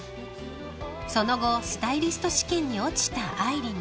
［その後スタイリスト試験に落ちた愛梨に］